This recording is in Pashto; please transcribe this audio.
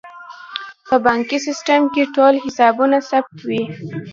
په بانکي سیستم کې ټول حسابونه ثبت وي.